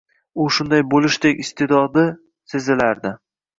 U shunday bo‘lishdek iste’dodi sezilardi.